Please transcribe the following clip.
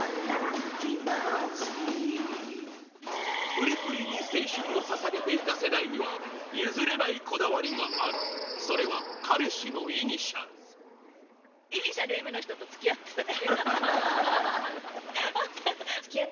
プリプリに青春をささげていた世代には譲れないこだわりがあるそれは、彼氏のイニシャルそう、この世代が失恋した時